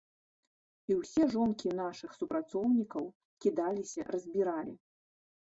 І ўсе жонкі нашых супрацоўнікаў кідаліся-разбіралі.